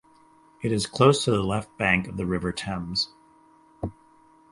It is close to the left bank of the River Thames.